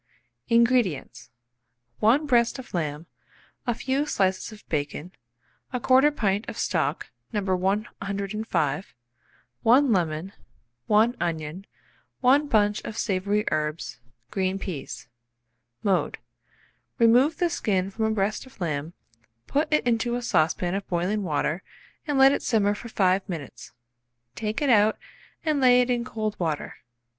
INGREDIENTS. 1 breast of lamb, a few slices of bacon, 1/4 pint of stock No. 105, 1 lemon, 1 onion, 1 bunch of savoury herbs, green peas. Mode. Remove the skin from a breast of lamb, put it into a saucepan of boiling water, and let it simmer for 5 minutes. Take it out and lay it in cold water.